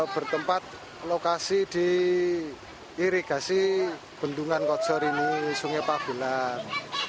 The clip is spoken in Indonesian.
bertempat lokasi di irigasi bendungan kojor ini sungai pabilan